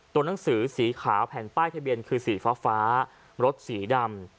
หนังสือสีขาวแผ่นป้ายทะเบียนคือสีฟ้ารถสีดำ